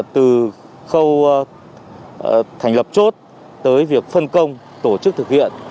từ khâu thành lập chốt tới việc phân công tổ chức thực hiện